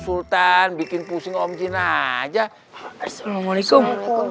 sultan bikin pusing om jin aja assalamualaikum